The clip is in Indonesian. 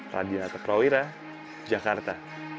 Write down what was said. raditya teprawira jakarta